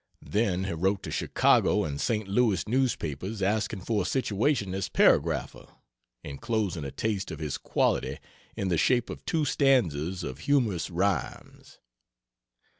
Then he wrote to Chicago and St. Louis newspapers asking for a situation as "paragrapher" enclosing a taste of his quality in the shape of two stanzas of "humorous rhymes."